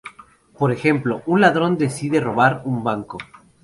Por ejemplo: un ladrón decide robar un banco.